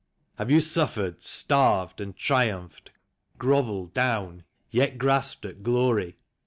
Have you suffered, starved and triumphed, grovelled down, yet grasped at irlnry.